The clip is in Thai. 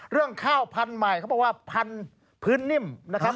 เรื่องข้าวพันธุ์ใหม่เขาบอกว่าพันธุ์พื้นนิ่มนะครับ